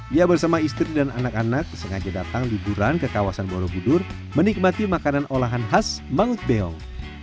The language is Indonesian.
dia bersama istri dan anak anak sengaja datang liburan ke kawasan borobudur menikmati makanan olahan khas mangut beong